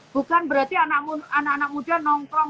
bukan berarti anak anak muda nongkrong